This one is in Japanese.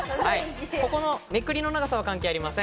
ここのめくりの長さは関係ありません。